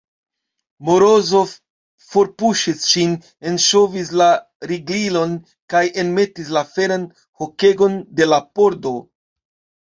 Morozov forpuŝis ŝin, enŝovis la riglilon kaj enmetis la feran hokegon de la pordo.